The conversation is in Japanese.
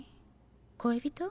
恋人？